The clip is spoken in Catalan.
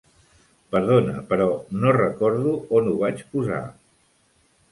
Perdona però no recordo on ho vaig posar.